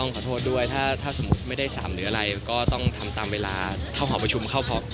งานรับลินญาหรอครับ